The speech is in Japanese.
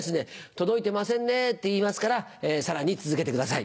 「届いてませんね」って言いますからさらに続けてください。